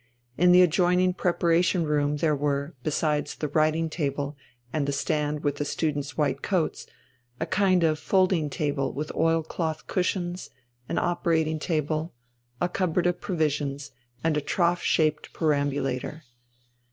In the adjoining preparation room there were, besides the writing table and the stand with the students' white coats, a kind of folding table with oil cloth cushions, an operating table, a cupboard of provisions, and a trough shaped perambulator.